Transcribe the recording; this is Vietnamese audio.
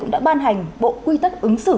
cũng đã ban hành bộ quy tắc ứng xử